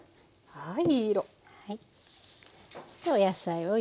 はい。